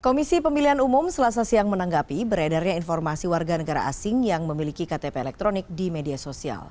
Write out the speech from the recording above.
komisi pemilihan umum selasa siang menanggapi beredarnya informasi warga negara asing yang memiliki ktp elektronik di media sosial